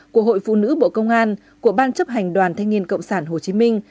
của hội phụ nữ bộ công an của ban chấp hành đoàn thanh niên cộng sản hồ chí minh